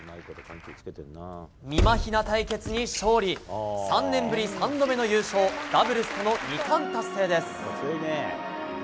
みまひな対決に勝利３年ぶり３度目の優勝ダブルスとの２冠達成です。